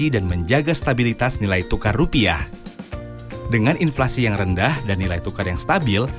dengan inflasi yang rendah dan nilai tukar yang stabil